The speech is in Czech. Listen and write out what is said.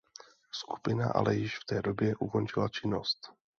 Skupina ale již v té době ukončila činnost.